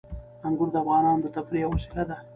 انګور د افغانانو د تفریح یوه وسیله ده.